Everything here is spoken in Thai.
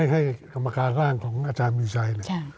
ให้กรรมการร่างของอาจารย์มีชัย